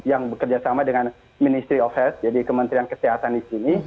yang bekerjasama dengan ministry of health jadi kementerian kesehatan di sini